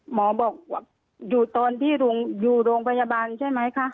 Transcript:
หมอบอกว่าอยู่ตอนที่อยู่โรงพยาบาลใช่ไหมคะ